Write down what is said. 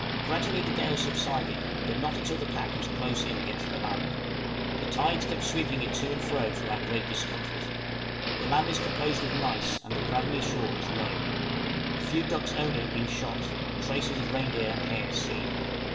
Gradually the gale subsided, but not until the pack was close in against the land. The tides kept sweeping it to and fro, to our great discomfort. The land is composed of gneiss, and the gravelly shore is low. A few ducks only have been shot, and traces of reindeer and hares seen.